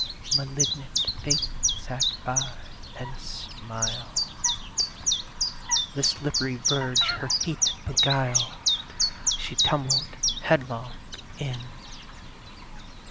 (Malignant Fate sat by, and smiled.) The slipp'ry verge her feet beguiled, She tumbled headlong in.